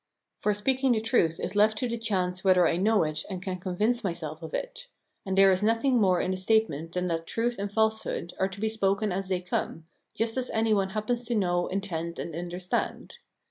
For speaking the truth is left to the chance whether I know it and can convince myself of it ; and there is nothing more in the statement than that truth and falsehood are to be spoken as they come, just as any one happens to know, intend, and understand.